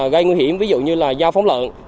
gây nguy hiểm ví dụ như dao phóng lợn